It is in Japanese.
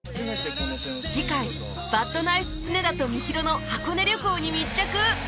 次回バッドナイス常田とみひろの箱根旅行に密着